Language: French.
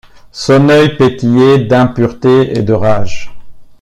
Son œil pétillait d’impureté et de rage.